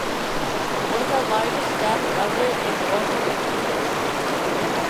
With a largest depth of it is also the deepest.